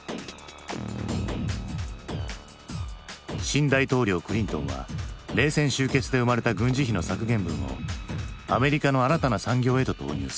新大統領クリントンは冷戦終結で生まれた軍事費の削減分をアメリカの新たな産業へと投入する。